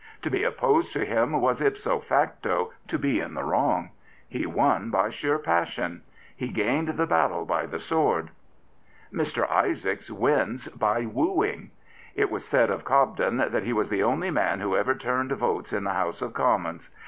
To be opposed to him was, ipso facto, to be in the wrong. He won by sheer passion. He gained the battle by the sword. Mr. Isaacs wins by wooing. It was said of Cobden that he was the only man who ever turned votes in the House of Commons.